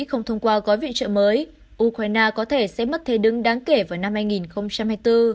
không thông qua gói viện trợ mới ukraine có thể sẽ mất thế đứng đáng kể vào năm hai nghìn hai mươi bốn